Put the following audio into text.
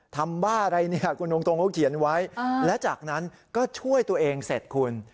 บ้าอะไรเนี่ยคุณตรงเขาเขียนไว้และจากนั้นก็ช่วยตัวเองเสร็จคุณ